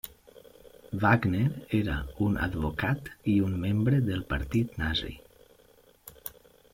Wagner era un advocat i un membre del partit nazi.